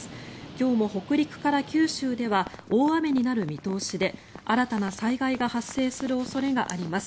今日も北陸から九州では大雨になる見通しで新たな災害が発生する恐れがあります。